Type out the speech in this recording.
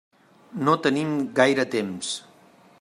No tenim gaire temps.